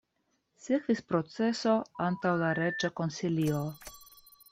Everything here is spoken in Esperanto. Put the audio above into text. Sekvis proceso antaŭ la reĝa konsilio.